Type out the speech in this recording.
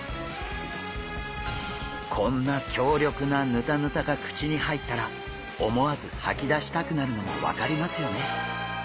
こんな強力なヌタヌタが口に入ったら思わず吐き出したくなるのも分かりますよね。